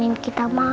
aku mau ke rumah